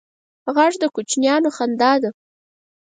غږ د کوچنیانو خندا ده